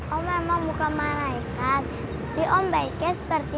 om emang bukan malaikat